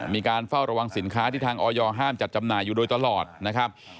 มีการเฝ้าระวังสินค้าที่ทางออยห้ามจัดจำหน่ายอยู่โดยตลอดนะครับ